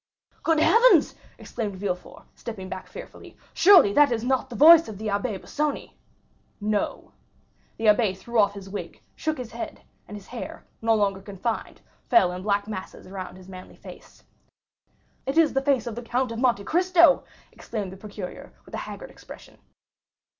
"Good heavens!" exclaimed Villefort, stepping back fearfully, "surely that is not the voice of the Abbé Busoni!" "No!" The abbé threw off his wig, shook his head, and his hair, no longer confined, fell in black masses around his manly face. "It is the face of the Count of Monte Cristo!" exclaimed the procureur, with a haggard expression.